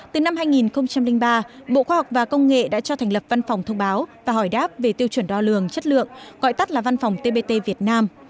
từ năm hai nghìn ba bộ khoa học và công nghệ đã cho thành lập văn phòng thông báo và hỏi đáp về tiêu chuẩn đo lường chất lượng gọi tắt là văn phòng tbt việt nam